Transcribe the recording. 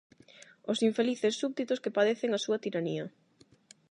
Os infelices súbditos que padecen a súa tiranía.